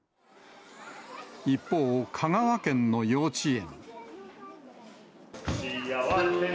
一方、香川県の幼稚園。